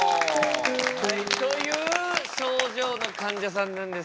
という症状のかんじゃさんなんですが院長。